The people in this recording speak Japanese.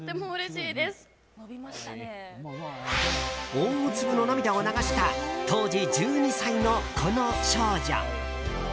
大粒の涙を流した当時１２歳の、この少女。